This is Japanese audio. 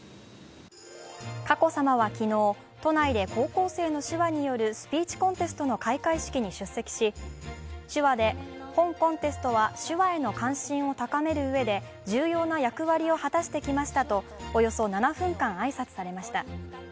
佳子さまは昨日、都内で高校生の手話によるスピーチコンテストの開会式に出席し、手話で本コンテストは手話への関心を高めるうえで重要な役割を果たしてきましたとおよそ７分間挨拶されました。